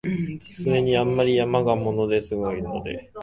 それに、あんまり山が物凄いので、